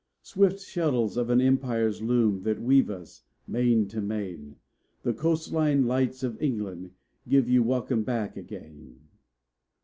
Swift shuttles of an Empire's loom that weave us, main to main, The Coastwise Lights of England give you welcome back again!